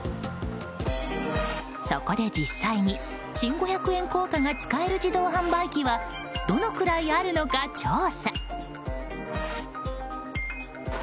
そこで実際に新五百円硬貨が使える自動販売機はどのくらいあるのか調査。